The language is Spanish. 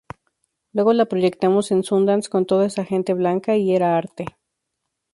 Luego la proyectamos en Sundance con toda esa gente blanca, ¡y era arte!".